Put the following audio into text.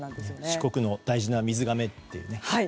四国の大事な水がめっていうね。